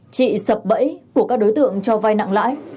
chị sập bẫy của các đối tượng cho vay nặng lãi